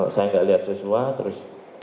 saya gak lihat joshua terus